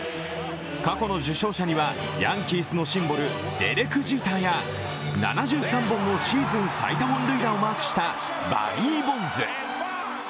過去の受賞者にはヤンキースのシンボル、デレク・ジーターや７３本のシーズン最多本塁打をマークしたバリー・ボンズ